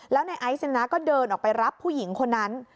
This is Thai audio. แล้วในไอซ์ก็เดินออกไปรับผู้หญิงคนนั้น